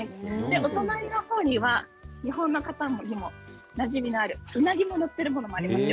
お隣の方には日本の方にもなじみのあるうなぎの載っているものもありますよ。